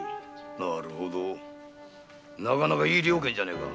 なるほどなかなかいい了見じゃねぇか。